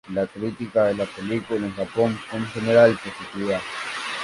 La crítica de la película en Japón fue en general positiva.